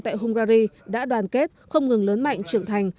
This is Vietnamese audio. tại hungary đã đoàn kết không ngừng lớn mạnh trưởng thành